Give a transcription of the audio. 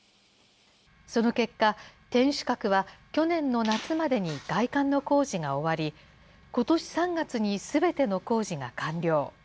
その結果、天守閣は去年の夏までに外観の工事が終わり、ことし３月にすべての工事が完了。